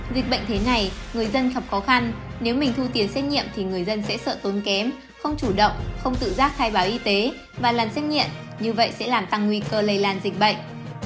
dịch bệnh thế này người dân gặp khó khăn nếu mình thu tiền xét nghiệm thì người dân sẽ sợ tốn kém không chủ động không tự giác khai báo y tế và lần xét nghiệm như vậy sẽ làm tăng nguy cơ lây lan dịch bệnh